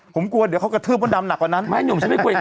ผมกลัวเดี๋ยวเขากระทืบมดดำหนักกว่านั้นไม่หนุ่มฉันไม่กลัวอีก